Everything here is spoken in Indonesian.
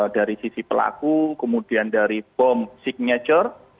dari sisi pelaku kemudian dari bom signature